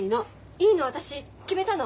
いいの私決めたの。